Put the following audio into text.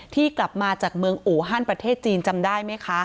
ที่กลับมาจากเมืองอูฮันประเทศจีนจำได้ไหมคะ